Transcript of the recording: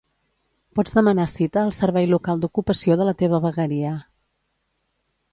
Pots demanar cita al Servei local d'ocupació de la teva vegueria.